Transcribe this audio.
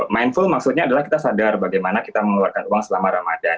mindful maksudnya adalah kita sadar bagaimana kita mengeluarkan uang selama ramadan